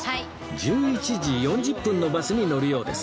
１１時４０分のバスに乗るようです